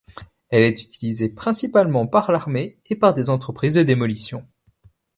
Elle est utilisée principalement par l'armée et par des entreprises de démolition.